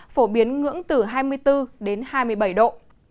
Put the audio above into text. giảm xuống từ hai mươi bốn hai mươi bảy độ